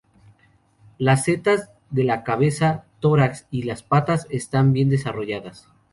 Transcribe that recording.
Las setas de la cabeza, tórax y las patas están bien desarrolladas.